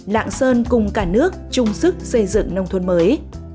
lạng sơn cùng cả nước chung sức xây dựng nông thôn mới